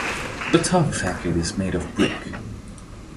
The tower facade is made of brick.